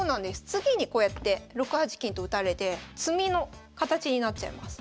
次にこうやって６八金と打たれて詰みの形になっちゃいます。